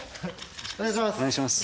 お願いします。